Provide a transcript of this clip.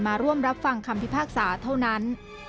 มาร่วมรับฟังคำพิพากษาเท่านั้น